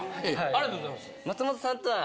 ありがとうございます。